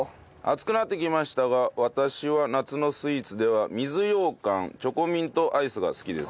暑くなってきましたが私は夏のスイーツでは水羊羹チョコミントアイスが好きです。